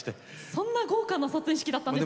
そんな豪華な卒園式だったんですね。